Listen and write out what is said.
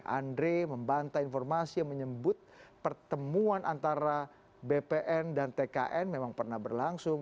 andre membantai informasi yang menyebut pertemuan antara bpn dan tkn memang pernah berlangsung